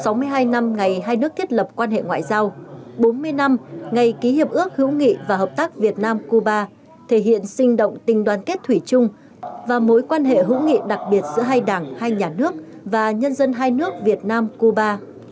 trong một mươi hai năm ngày hai nước thiết lập quan hệ ngoại giao bốn mươi năm ngày ký hiệp ước hữu nghị và hợp tác việt nam cuba thể hiện sinh động tình đoàn kết thủy chung và mối quan hệ hữu nghị đặc biệt giữa hai đảng hai nhà nước và nhân dân hai nước việt nam cuba